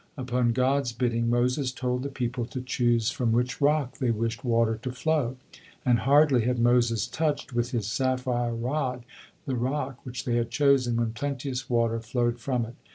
Upon God's bidding, Moses told the people to choose from which rock they wished water to flow, and hardly had Moses touched with his sapphire rod the rock which they had chosen, when plenteous water flowed from it.